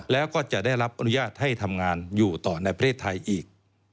แล้วก็จะได้รับอนุญาตให้ทำงานอยู่ต่อในประเทศไทยอีก